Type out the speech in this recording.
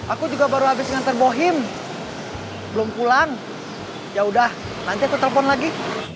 aku juga baru habis nganter bohim belum pulang yaudah nanti aku telpon lagi